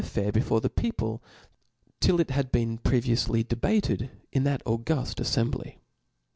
^ff^^r before the people, till it had been prcvioufly debated f in that auguft ajSembly.